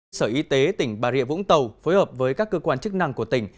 cơ sở y tế tỉnh bà rịa vũng tàu phối hợp với các cơ quan chức năng của tỉnh